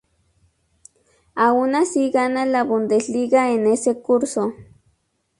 Aun así gana la Bundesliga en ese curso.